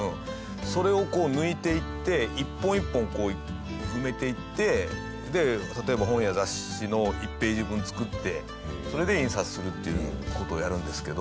それをこう抜いていって一本一本埋めていってで例えば本や雑誌の１ページ分を作ってそれで印刷するっていう事をやるんですけど。